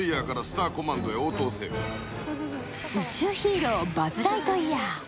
宇宙ヒーロー、バズ・ライトイヤー。